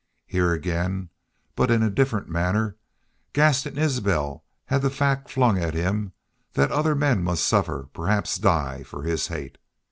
Here again, but in a different manner, Gaston Isbel had the fact flung at him that other men must suffer, perhaps die, for his hate.